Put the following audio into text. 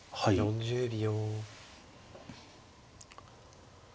４０秒。